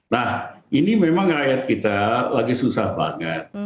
nah ini memang rakyat kita lagi susah banget